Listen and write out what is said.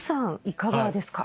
いかがですか？